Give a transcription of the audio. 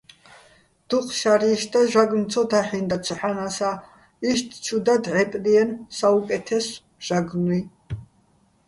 დუჴ შარი́შ და ჟაგნო̆ ცო დაჰ̦ინდა ცოჰ̦ანასა́, იშტ ჩუ და დჵე́პდიენო̆ საუკე́თესო ჟაგნუჲ.